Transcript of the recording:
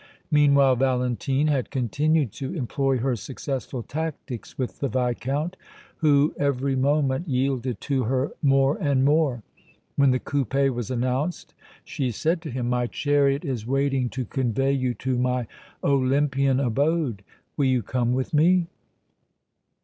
Meanwhile Valentine had continued to employ her successful tactics with the Viscount, who every moment yielded to her more and more. When the coupé was announced, she said to him: "My chariot is waiting to convey you to my Olympian abode. Will you come with me?"